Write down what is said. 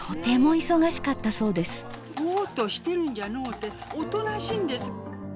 「ぼうっとしてるんじゃのうておとなしいんです」。